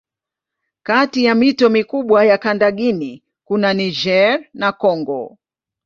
Kati ya mito mikubwa ya kanda Guinea kuna Niger na Kongo.